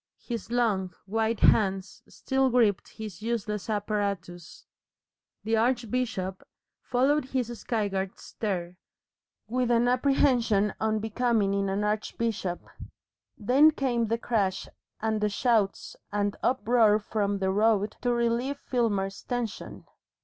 His long, white hands still gripped his useless apparatus. The archbishop followed his skyward stare with an apprehension unbecoming in an archbishop. Then came the crash and the shouts and uproar from the road to relieve Filmer's tension.